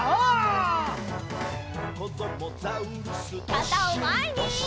かたをまえに！